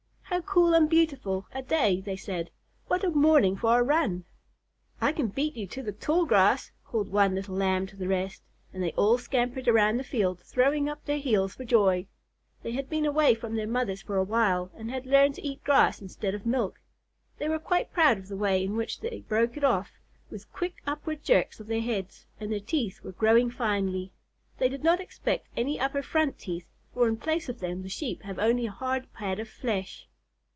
"How cool and beautiful a day," they said. "What a morning for a run!" "I can beat you to the tall grass!" called one little Lamb to the rest, and they all scampered around the field, throwing up their heels for joy. They had been away from their mothers for awhile, and had learned to eat grass instead of milk. They were quite proud of the way in which they broke it off, with quick upward jerks of their heads, and their teeth were growing finely. They did not expect any upper front teeth, for in place of them the Sheep have only a hard pad of flesh.